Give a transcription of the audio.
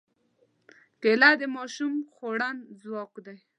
کېله د ماشوم خوړن خوراک دی.